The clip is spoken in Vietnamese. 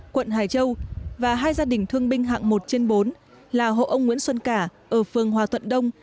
quận hải châu và hai gia đình thương binh hạng một trên bốn là hộ ông nguyễn xuân cả ở phương hòa tuận đông